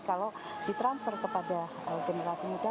kalau ditransfer kepada generasi muda